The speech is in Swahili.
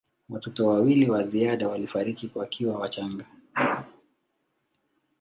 Watoto wawili wa ziada walifariki wakiwa wachanga.